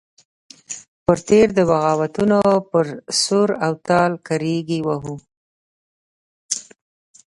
پر تېر د بغاوتونو پر سور او تال کرېږې وهو.